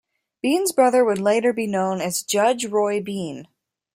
Bean's brother would later be known as Judge Roy Bean.